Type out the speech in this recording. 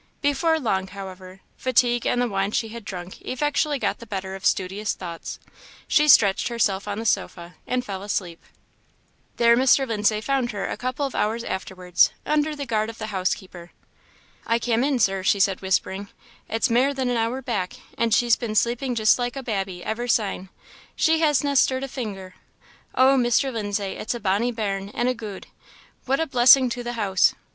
Before long, however, fatigue and the wine she had drunk effectually got the better of studious thoughts; she stretched herself on the sofa and fell asleep. There Mr. Lindsay found her a couple of hours afterwards, under the guard of the housekeeper. "I cam in, Sir," she said, whispering "it's mair than an hour back, and she's been sleeping just like a babby ever syne; she hasna stirred a finger. O, Mr. Lindsay, it's a bonny bairn, and a gude. What a blessing to the house!"